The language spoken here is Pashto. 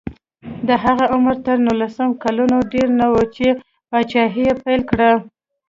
د هغه عمر تر نولس کلونو ډېر نه و چې پاچاهي یې پیل کړه.